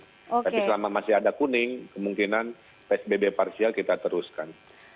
tapi selama masih ada kuning kemungkinan psbb parsial kita teruskan